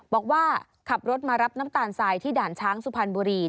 บอกว่าขับรถมารับน้ำตาลทรายที่ด่านช้างสุพรรณบุรี